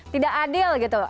tidak adil gitu